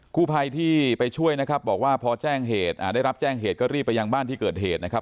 กู้ภัยที่ไปช่วยนะครับบอกว่าพอแจ้งเหตุอ่าได้รับแจ้งเหตุก็รีบไปยังบ้านที่เกิดเหตุนะครับ